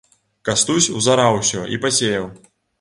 Кастусь узараў усё і пасеяў.